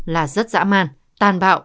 là rất dã man tàn bạo